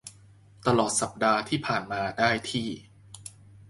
ตลอดสัปดาห์ที่ผ่านมาได้ที่